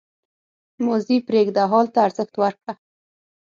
• ماضي پرېږده، حال ته ارزښت ورکړه.